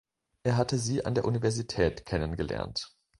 Er hatte sie an der Universität kennengelernt.